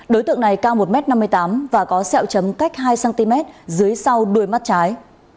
đối tượng này cao một m năm mươi tám và có sẹo chấm cách hai cm dưới sau đuôi mắt trái